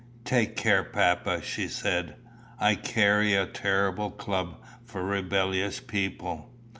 "Take care, papa," she said. "I carry a terrible club for rebellious people."